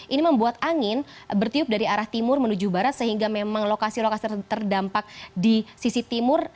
ini membuat angin bertiup dari arah timur menuju barat sehingga memang lokasi lokasi terdampak di sisi timur